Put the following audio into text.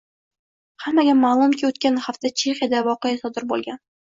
Hammaga ma'lumki, o'tgan hafta Chexiyada voqea sodir bo'lgan